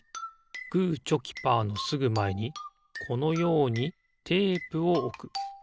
グーチョキパーのすぐまえにこのようにテープをおく。